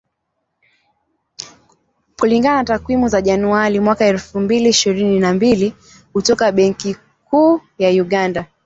Kulingana na takwimu za Januari, mwaka elfu mbili ishirini na mbili kutoka Benki Kuu ya Uganda